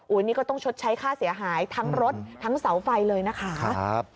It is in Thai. นี่ก็ต้องชดใช้ค่าเสียหายทั้งรถทั้งเสาไฟเลยนะคะ